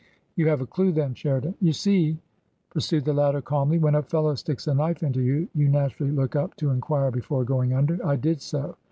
" You have a clue, then, Sheridan !"" You see," pursued the latter, calmly, " when a fellow sticks a knife into you, you naturally look up to enquire before going under. I did so.